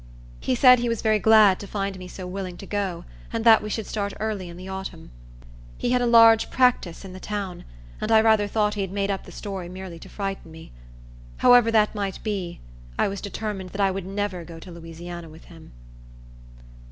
He said he was very glad to find me so willing to go, and that we should start early in the autumn. He had a large practice in the town, and I rather thought he had made up the story merely to frighten me. However that might be, I was determined that I would never go to Louisiana with him.